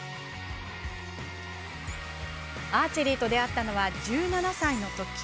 アーチェリーと出会ったのは１７歳のとき。